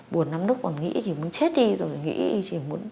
buồn lắm lúc còn nghĩ chỉ muốn chết đi rồi